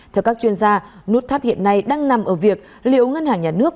theo các chuyên gia nút thắt hiện nay đang nằm ở việc liệu ngân hàng nhà nước